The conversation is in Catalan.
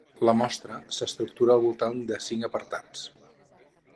La mostra s’estructura al voltant de cinc apartats.